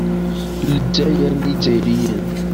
Lezzayer n Yizzayriyen.